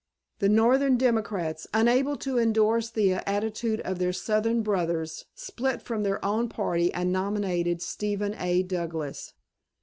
The Northern Democrats, unable to endorse the attitude of their Southern brothers, split from their own party and nominated Stephen A. Douglas.